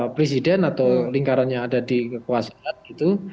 presiden atau lingkaran yang ada di kekuasaan gitu